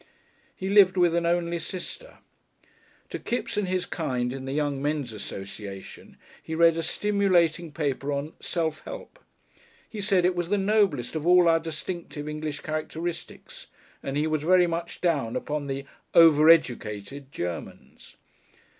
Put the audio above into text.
He lived with an only sister. To Kipps and his kind in the Young Men's Association he read a stimulating paper on "Self Help." He said it was the noblest of all our distinctive English characteristics, and he was very much down upon the "over educated" Germans.